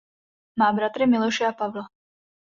Má bratry Miloše a Pavla.